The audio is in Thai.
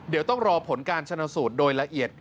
เดี๋ยวต้องรอผลการชนะสูตรโดยละเอียด